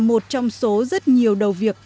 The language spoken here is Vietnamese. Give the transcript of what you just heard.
một trong số rất nhiều đầu việc